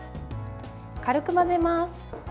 軽く混ぜます。